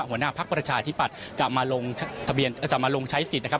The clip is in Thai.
หัวหน้าพักประชาธิปัตย์จะมาลงทะเบียนจะมาลงใช้สิทธิ์นะครับ